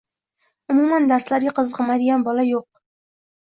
Umuman darslarga qiziqmaydigan bola yo’q.